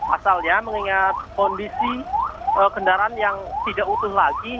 asalnya mengingat kondisi kendaraan yang tidak utuh lagi